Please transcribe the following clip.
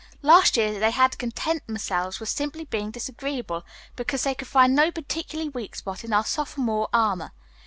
Last year they had to content themselves with simply being disagreeable, because they could find no particularly weak spot in our sophomore armor.